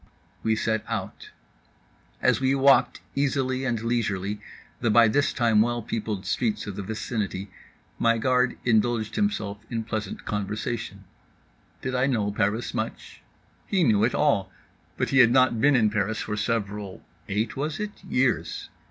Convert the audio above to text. We set out. As we walked easily and leisurely the by this time well peopled streets of the vicinity, my guard indulged himself in pleasant conversation. Did I know Paris much? He knew it all. But he had not been in Paris for several (eight was it?) years.